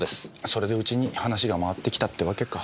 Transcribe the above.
それでうちに話が回ってきたってわけか。